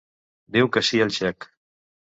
Diu que sí al xec.